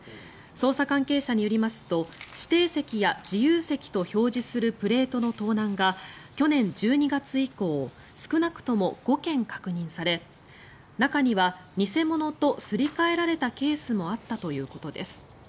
捜査関係者によりますと「指定席」や「自由席」と表示するプレートの盗難が去年１２月以降少なくとも５件確認され中には偽物とすり替えられたケースもあったということです。